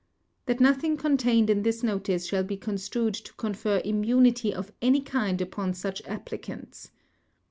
THAT nothing contained in this notice shall be construed to confer immunity of any kind upon such applicants.